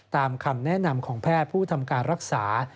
คำแนะนำของแพทย์ผู้ทำการรักษา